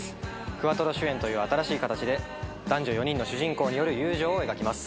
クアトロ主演という新しい形で男女４人の主人公による友情を描きます。